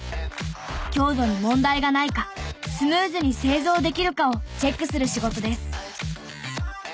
強度に問題がないかスムーズに製造できるかをチェックする仕事です。